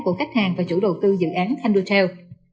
của khách hàng và chủ đầu tư dự án candotel